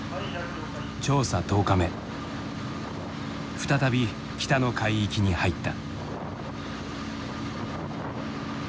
再び北の海域に入った。